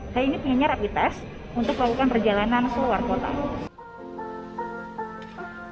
saya ini pengennya rapi tes untuk melakukan perjalanan ke luar kota